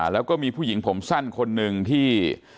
แล้วก็มีผู้หญิงผมสั้นคนหนึ่งที่